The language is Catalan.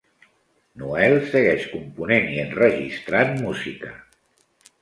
Noel segueix component i enregistrant música.